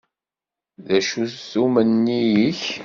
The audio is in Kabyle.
D acu-t umenni-k?